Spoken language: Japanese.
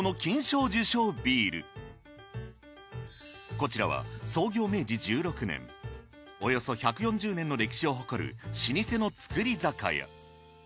こちらはおよそ１４０年の歴史を誇る老舗の造り酒屋。